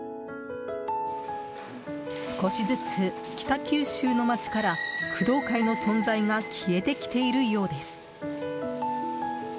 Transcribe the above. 少しずつ北九州の街から工藤会の存在が消えてきているようです。